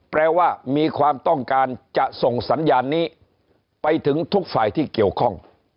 แปลว่ามีความต้องการจะส่งสัญญาณนี้ไปถึงทุกฝ่ายที่เกี่ยวข้อง